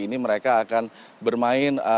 ini mereka akan bermain